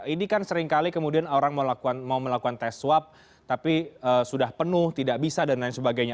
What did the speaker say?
ini kan seringkali kemudian orang mau melakukan tes swab tapi sudah penuh tidak bisa dan lain sebagainya